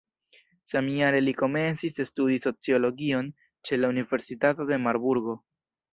Samjare li komencis studi sociologion ĉe la universitato de Marburgo.